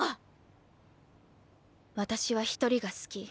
私は一人が好き。